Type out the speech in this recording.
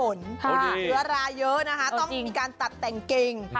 เชื้อราเยอะนะคะต้องมีการตัดแต่งเก่ง